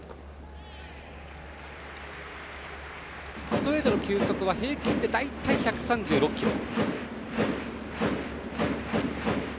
ストレートの球速は平均で大体１３６キロ。